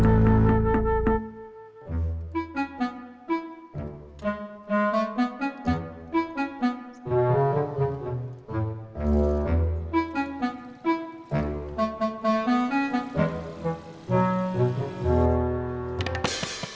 saya ngurus parkiran dulu